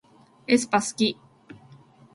aespa すき